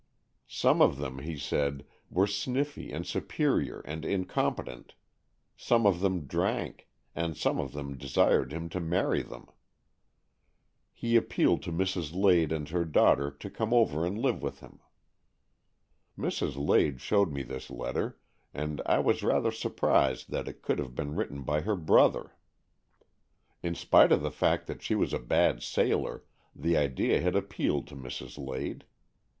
Some of them, he said, were sniffy and superior and incompetent, some of them drank, and some of them desired him to marry them. He appealed to Mrs. Lade and her daughter to come over and live with him. Mrs. Lade showed me this letter, and I was rather surprised that it could have been written by her brother. In spite of the fact that she was a bad sailor, the idea had appealed to Mrs. Lade.